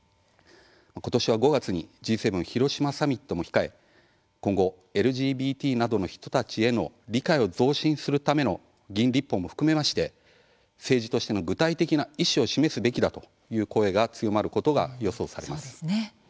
今年は５月にＧ７広島サミットも控え今後ＬＧＢＴなどの人たちへの理解を増進するための議員立法も含めまして政治としての具体的な意思を示すべきだという声が強まることが予想されます。